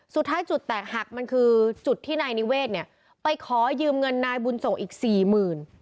สุดท้ายจุดแตกหักมันคือจุดที่นายนิเวศเนี่ยไปขอยืมเงินนายบุญส่งอีกสี่หมื่น